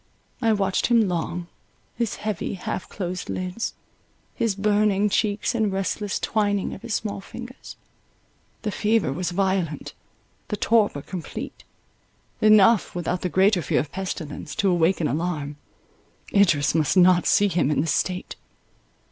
I watched him long—his heavy half closed lids, his burning cheeks and restless twining of his small fingers—the fever was violent, the torpor complete—enough, without the greater fear of pestilence, to awaken alarm. Idris must not see him in this state.